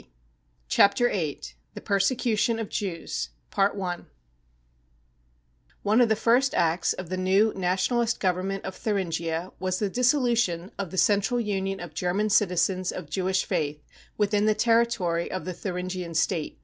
59 # Chapter VIII: THE PERSECUTION OF JEWS One of the first acts of the new Nationalist Government of Thuringia was the dissolution of the Central Union of German Citizen^ of Jewish faith within the ter ritory of the Thuringian State.